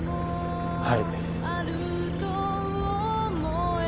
はい。